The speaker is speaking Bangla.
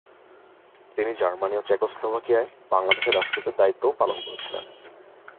তিনি জার্মানি ও চেকোস্লোভাকিয়ায় বাংলাদেশের রাষ্ট্রদূতের দায়িত্বও পালন করেছিলেন।